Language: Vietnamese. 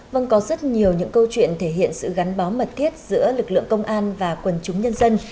vâng có rất nhiều những câu chuyện thể hiện sự gắn bó mật thiết giữa lực lượng công an và quần chúng nhân dân